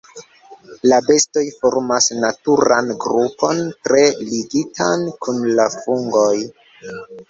La bestoj formas naturan grupon tre ligitan kun la fungoj.